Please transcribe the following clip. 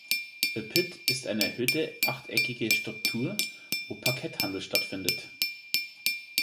The Pit ist eine erhöhte achteckige Struktur, wo Parketthandel stattfindet.